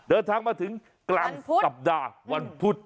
เดินทางมาถึงกลางสัปดาห์วันพุธ